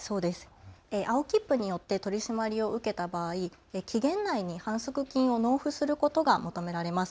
青切符によって取締りを受けた場合、期限内に反則金を納付することが求められます。